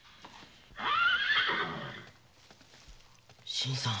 新さん。